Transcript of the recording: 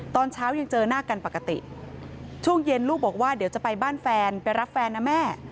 ตอนเช้ายังเจอหน้ากันปกติช่วงเย็นลูกบอกว่าเดี๋ยวจะไปบ้านแฟนไปรับแฟนนะแม่